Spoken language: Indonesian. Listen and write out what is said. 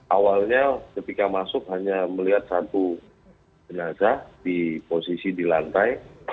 awalnya ketika masuk hanya melihat satu jenazah di posisi di lantai